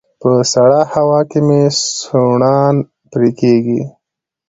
په سړه هوا کې مې سوڼان پرې کيږي